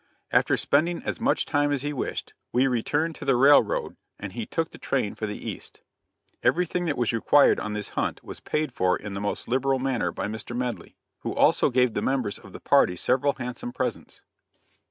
After spending as much time as he wished, we returned to the railroad, and he took the train for the East. Everything that was required on this hunt was paid for in the most liberal manner by Mr. Medley, who also gave the members of the party several handsome presents.